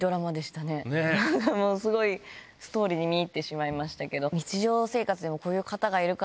すごいストーリーに見入ってしまいましたけど。